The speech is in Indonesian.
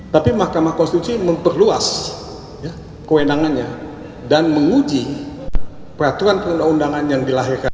tapi mahkamah konstitusi memperluas kewenangannya dan menguji peraturan perundang undangan yang dilahirkan